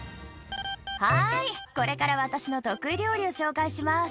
「はいこれから私の得意料理を紹介します」